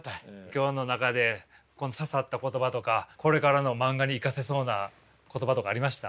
今日の中で刺さった言葉とかこれからの漫画に生かせそうな言葉とかありました？